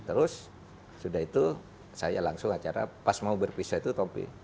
terus sudah itu saya langsung acara pas mau berpisah itu topi